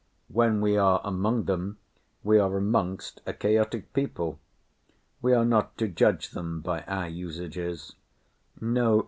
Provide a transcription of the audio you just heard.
When we are among them, we are amongst a chaotic people. We are not to judge them by our usages.